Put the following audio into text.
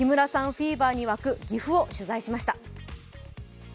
フィーバーに沸く、岐阜取材しました。